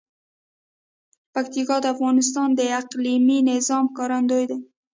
پکتیکا د افغانستان د اقلیمي نظام ښکارندوی ده.